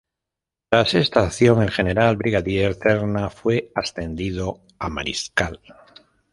Tras esta acción, el general brigadier Cerna fue ascendido a Mariscal.